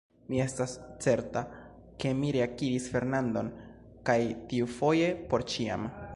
Mi estas certa, ke mi reakiris Fernandon, kaj tiufoje por ĉiam.